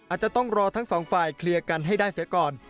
อาจจะต้องรอทั้งสองฝ่ายเคลียร์กันให้ได้เสียก่อน